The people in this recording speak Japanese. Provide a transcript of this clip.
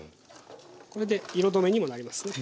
これで色止めにもなりますね。